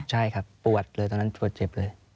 ใช่ครับปวดเลยตอนนั้นปวดเจ็บเลย